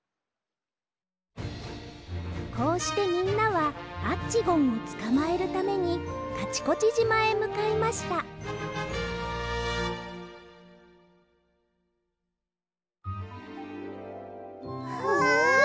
こうしてみんなはアッチゴンをつかまえるためにカチコチじまへむかいましたわ！